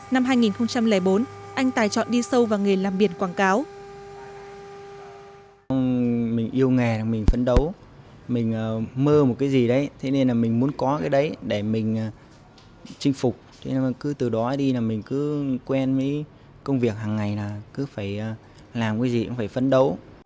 năm hai nghìn bốn anh tài chọn đi sâu vào nghề làm biển quảng cáo